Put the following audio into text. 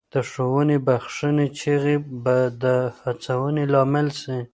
د ښوونځي بخښنې چیغې به د هڅونې لامل سي.